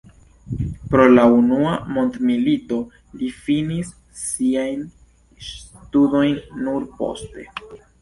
Pro la unua mondmilito li finis siajn studojn nur poste.